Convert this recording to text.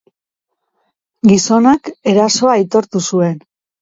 Gizonak erasoa aitortu zuen.